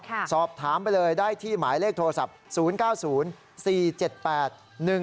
สอบถามไปเลยได้ที่หมายเลขโทรศัพท์๐๙๐๔๗๘